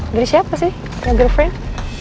dari siapa sih girlfriend